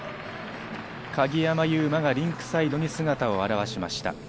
鍵山優真がリンクサイドに姿を現しました。